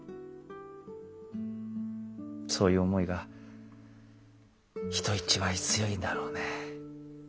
そういう思いが人一倍強いんだろうね。